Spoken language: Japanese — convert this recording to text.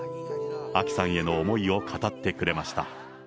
あきさんへの思いを語ってくれました。